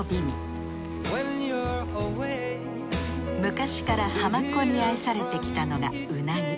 昔からハマっ子に愛されてきたのがうなぎ。